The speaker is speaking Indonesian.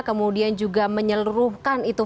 kemudian juga menyeluruhkan itu